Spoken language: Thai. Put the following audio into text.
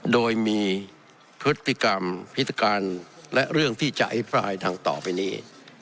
โดยมีพฤติกรรมพฤติการและเรื่องที่จะอภิปรายทางต่อไปนี้